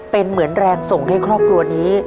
เป็นเหมือนแรงส่งให้ครอบครัวนี้